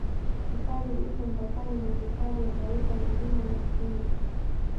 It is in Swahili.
Hifadhi iko mpakani mwa Hifadhi ya taifa ya milima ya Cyulu